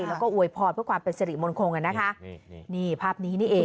แล้วก็อวยพรเพื่อความเป็นสิริมงคลอ่ะนะคะนี่นี่ภาพนี้นี่เอง